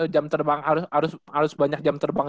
jam terbang harus banyak jam terbang